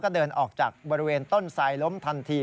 เดินออกจากบริเวณต้นทรายล้มทันที